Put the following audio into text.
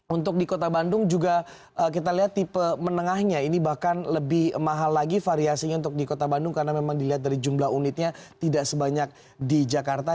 untuk di kota bandung juga kita lihat tipe menengahnya ini bahkan lebih mahal lagi variasinya untuk di kota bandung karena memang dilihat dari jumlah unitnya tidak sebanyak di jakarta